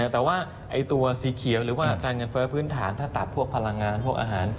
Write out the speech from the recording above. แต่ว่าตัวสีเขียวหรือว่าการเงินเฟ้อพื้นฐานถ้าตัดพวกพลังงานพวกอาหาร